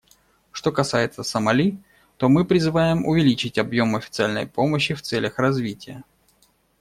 Что касается Сомали, то мы призываем увеличить объем официальной помощи в целях развития.